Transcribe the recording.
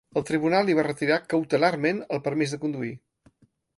El tribunal li va retirar cautelarment el permís de conduir.